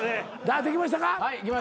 できましたか？